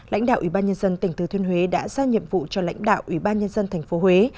lãnh đạo ủy ban nhân dân tỉnh thừa thuyên huế đã ra nhiệm vụ cho lãnh đạo ủy ban nhân dân tp huế